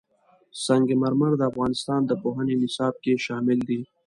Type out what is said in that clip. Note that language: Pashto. سنگ مرمر د افغانستان د پوهنې نصاب کې شامل دي.